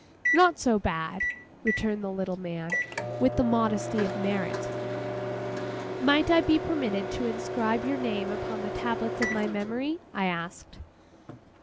'Not so bad,' returned the little man, with the modesty of merit. 'Might I be permitted to inscribe your name upon the tablets of my memory?' I asked.